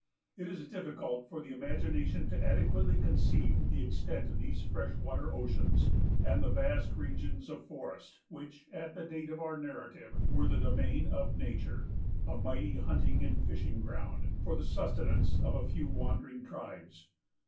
It is difficult for the imagination adequately to conceive the extent of these fresh water oceans, and vast regions of forest, which, at the date of our narrative, were the domain of nature, a mighty hunting and fishing ground, for the sustenance of a few wandering tribes.